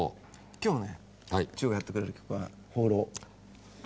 今日ね忠がやってくれる曲は「ほうろう」。